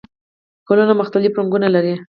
ګلونه مختلف رنګونه لري